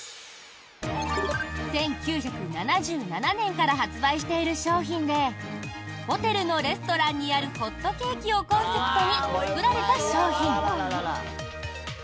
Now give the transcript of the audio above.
１９７７年から発売している商品でホテルのレストランにあるホットケーキをコンセプトに作られた商品。